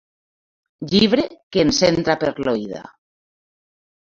Llibre que ens entra per l'oïda.